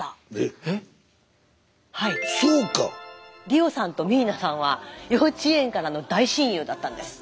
理央さんと未唯奈さんは幼稚園からの大親友だったんです。